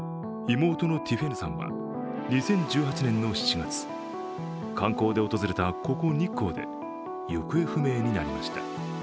妹のティフェヌさんは２０１８年の７月観光で訪れたここ、日光で行方不明になりました。